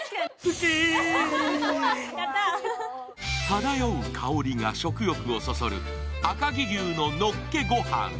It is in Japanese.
漂う香りが食欲をそそる赤城牛ののっけごはん。